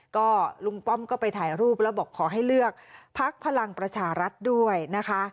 ก็ลุงป้อมก็ไปถ่ายรูปแล้วบอกขอให้เลือกพักพลังประชารัฐด้วยนะคะ